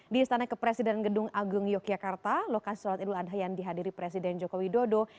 di istana kepresiden gedung agung yogyakarta lokasi sholat idul adha yang dihadiri presiden joko widodo